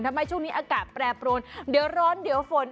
ทำไมช่วงนี้อากาศแปรปรวนเดี๋ยวร้อนเดี๋ยวฝน